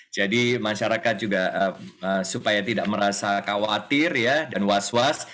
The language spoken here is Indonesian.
jadi masyarakat juga supaya tidak merasa khawatir dan was was